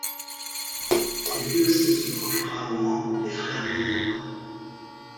C'est lui aussi qui procura au Mans les Frères-Mineurs.